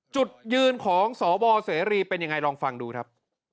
จุดยืนของสวเสรีเป็นยังไงลองฟังดูครับ